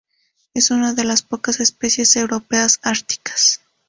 Es una de las pocas especies europeas árticas.